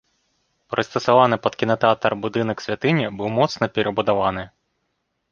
Прыстасаваны пад кінатэатр будынак святыні быў моцна перабудаваны.